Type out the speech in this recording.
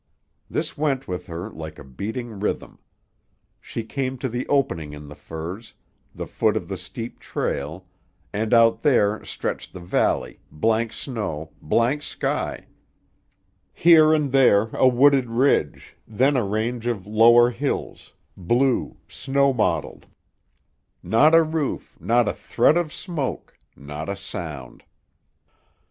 This went with her like a beating rhythm. She came to the opening in the firs, the foot of the steep trail, and out there stretched the valley, blank snow, blank sky, here and there a wooded ridge, then a range of lower hills, blue, snow mottled; not a roof, not a thread of smoke, not a sound.